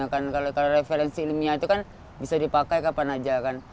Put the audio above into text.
kalau referensi ilmiah itu kan bisa dipakai kapan aja kan